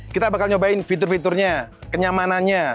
kita bakal nyobain fitur fiturnya kenyamanannya